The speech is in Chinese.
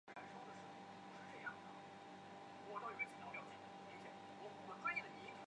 午间时段京成上野方向开出的普通列车有半数在此站折返。